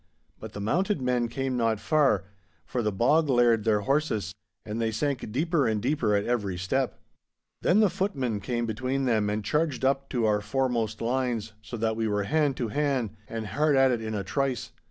But the mounted men came not far, for the bog laired their horses, and they sank deeper and deeper at every step. Then the footmen came between them and charged up to our foremost lines, so that we were hand to hand and hard at it in a trice.